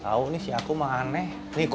tau nih si aku mah aneh